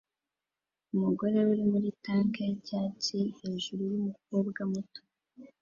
Umugore uri muri tank yicyatsi hejuru numukobwa muto